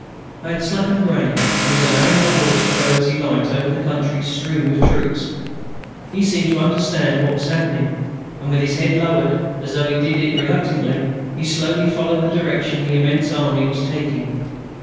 I had slackened rein, and was allowing my horse to go as he liked over the country strewn with troops. He seemed to understand what was happening, and with his head lowered, as though he did it reluctantly, he slowly followed the direction the immense army was taking.